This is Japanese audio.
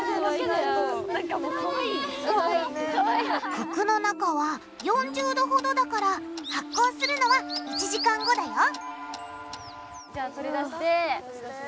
服の中は４０℃ほどだから発酵するのは１時間後だよじゃあ取り出して。